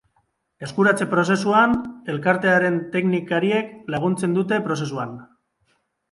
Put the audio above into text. Eskuratze-prozesuan elkartearen teknikariek laguntzen dute prozesuan.